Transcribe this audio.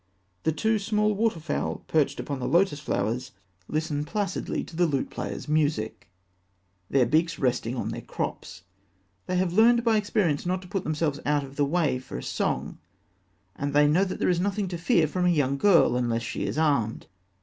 The two small water fowl perched upon the lotus flowers listen placidly to the lute player's music, their beaks resting on their crops. They have learned by experience not to put themselves out of the way for a song, and they know that there is nothing to fear from a young girl, unless she is armed.